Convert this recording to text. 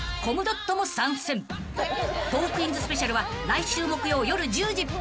［『トークィーンズ』スペシャルは来週木曜夜１０時！］